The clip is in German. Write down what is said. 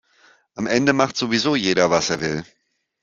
Am Ende macht sowieso jeder, was er will.